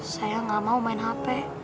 saya gak mau main handphone